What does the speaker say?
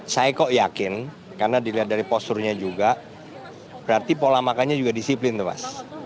saya kok yakin karena dilihat dari posturnya juga berarti pola makannya juga disiplin tuh mas